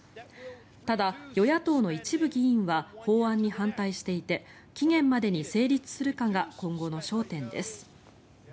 ただ、与野党の一部議員は法案に反対していて期限までに成立するかが今後の焦点です。